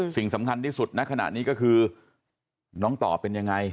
สิ่งสำคัญที่สุดณขณะนี้ก็คือน้องต่อเป็นยังไง